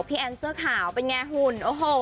พี่แอนเสื้อขาวเป็นไงหุ่น